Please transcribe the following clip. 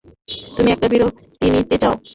তুমি একটা বিরতি নিতে চাও।